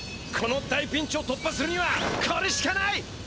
この大ピンチをとっぱするにはこれしかない！